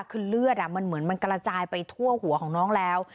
คือเลือดมันเหมือนมันกระจายไปทั่วหัวของน้องแล้ว